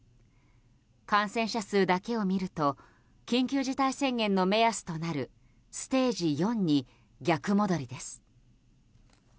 感染者数だけを見ると緊急事態宣言の目安となるステージ４に逆戻りです。